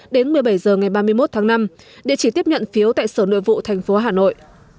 đến một mươi bảy h ngày ba mươi một tháng năm địa chỉ tiếp nhận phiếu tại sở nội vụ thành phố hà nội